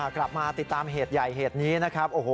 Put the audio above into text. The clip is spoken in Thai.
กลับมาติดตามเหตุใหญ่เหตุนี้นะครับ